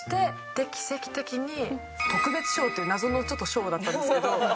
で奇跡的に特別賞という謎の賞だったんですけど。